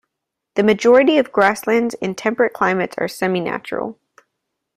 The majority of grasslands in temperate climates are "semi-natural".